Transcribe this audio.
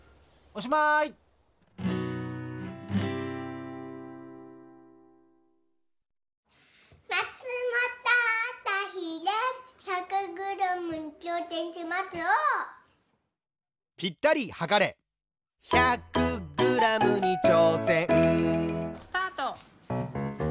おっ！・スタート！